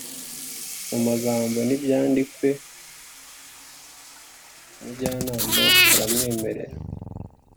mu magambo ntibyandikwe, umujyanama aramwemerera.